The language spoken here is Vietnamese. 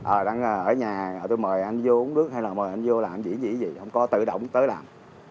ờ đang ở nhà tôi mời anh vô uống nước hay là mời anh vô làm gì gì gì không có tự động tới làm